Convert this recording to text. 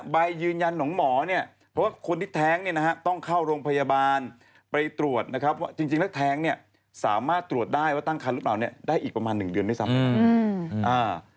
ใบยืนยันของหมอเนี่ยเพราะว่าคนที่แท้งเนี่ยนะฮะต้องเข้าโรงพยาบาลไปตรวจนะครับว่าจริงแล้วแท้งเนี่ยสามารถตรวจได้ว่าตั้งคันหรือเปล่าเนี่ยได้อีกประมาณ๑เดือนด้วยซ้ำ